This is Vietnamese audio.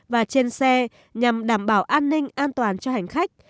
và trên xe nhằm đảm bảo an ninh an toàn cho hành khách